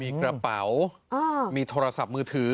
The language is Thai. มีกระเป๋ามีทรัศน์มูยมือถือ